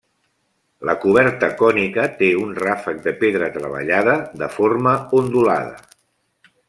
La coberta cònica té un ràfec de pedra treballada de forma ondulada.